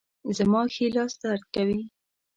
زما ښي لاس درد کوي